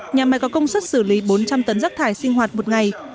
nhà máy có công suất xử lý bốn trăm linh tấn rác thải sinh hoạt một ngày